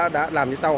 đã làm như sau